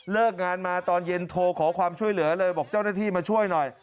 งานมาตอนเย็นโทรขอความช่วยเหลือเลยบอกเจ้าหน้าที่มาช่วยหน่อย